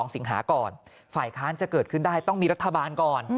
สิงหาก่อนฝ่ายค้านจะเกิดขึ้นได้ต้องมีรัฐบาลก่อน